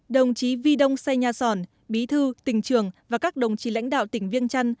đồng chí vi đông say nha sòn bí thư tỉnh trường và các đồng chí lãnh đạo tỉnh viêng trăn